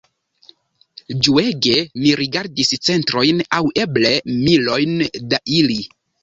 Ĝuege mi rigardis centojn aŭ eble milojn da ili.